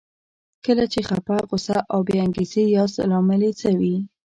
کله چې خپه، غوسه او بې انګېزې ياست لامل يې څه وي؟